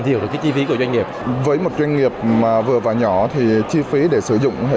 nhiều cái chi phí của doanh nghiệp với một doanh nghiệp mà vừa và nhỏ thì chi phí để sử dụng hệ